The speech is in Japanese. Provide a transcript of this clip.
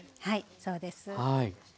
はいそうです。